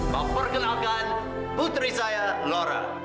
mau perkenalkan putri saya laura